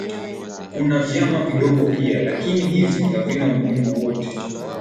Kuna vyama vidogo pia lakini hivi havina umuhimu wowote